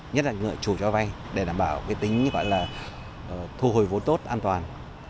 nhất là người chủ cho vay để đảm bảo tính thu hồi vốn tốt an toàn